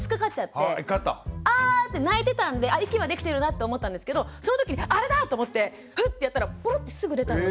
ア！って泣いてたんで息はできてるなって思ったんですけどそのときにあれだ！と思ってふっとやったらポロッてすぐ出たので。